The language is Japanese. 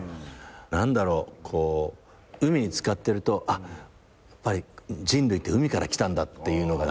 何だろうこう海に漬かってるとやっぱり人類って海から来たんだっていうのが分かる気がする。